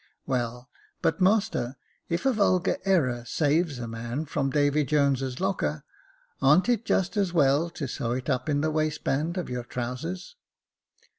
" Well, but master, if a vulgar error saves a man from Davy Jones's locker, ar'n't it just as well to sew it up in the waistband of your trousers